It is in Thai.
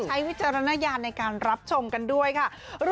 วิจารณญาณในการรับชมกันด้วยค่ะ